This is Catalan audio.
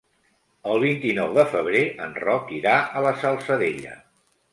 El vint-i-nou de febrer en Roc irà a la Salzadella.